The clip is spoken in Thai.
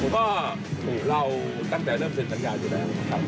ก็เราตั้งแต่เริ่มเซ็นสัญญาอยู่แล้วครับ